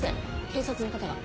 警察の方が。